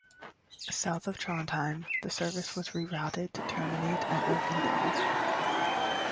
South of Trondheim, the service was rerouted to terminate at Lerkendal.